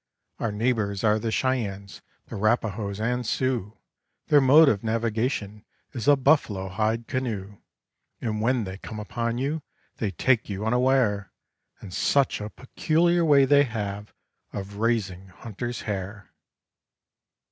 Our neighbors are the Cheyennes, the 'Rapahoes, and Sioux, Their mode of navigation is a buffalo hide canoe. And when they come upon you they take you unaware, And such a peculiar way they have of raising hunter's hair.